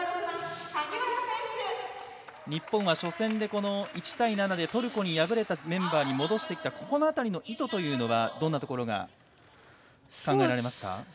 日本は初戦で１対７でトルコに敗れたメンバーに戻してきた辺りの意図どんなところが考えられますか。